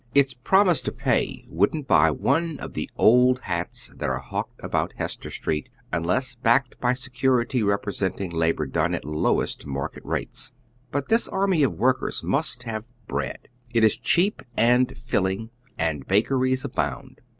Its promise to pay wouldn't buy one of tlie old hats that are hawked about Hester Street, unless backed by security representing iaboi' done at lowest market rates. But this army of workei's must have bread. It is cheap and filling, and bakeries abound.